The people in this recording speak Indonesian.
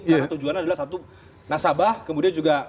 karena tujuannya adalah satu nasabah kemudian juga